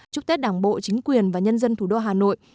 chúc tết đảng bộ chính quyền và nhân dân thủ đô hà nội